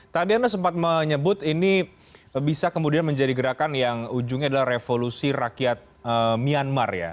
tadi anda sempat menyebut ini bisa kemudian menjadi gerakan yang ujungnya adalah revolusi rakyat myanmar ya